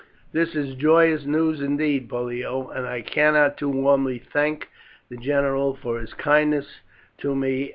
"This is joyous news indeed, Pollio, and I cannot too warmly thank the general for his kindness to me.